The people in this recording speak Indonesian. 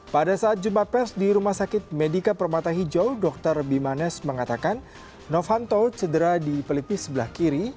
pada saat jumat pes di rumah sakit medika permata hijau dr bimanes mengatakan novanto cedera di pelipis sebelah kiri